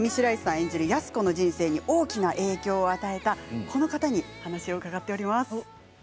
演じる安子の人生に大きな影響を与えたこの方にお話を伺っています。